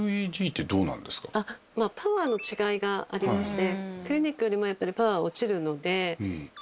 パワーの違いがありまして。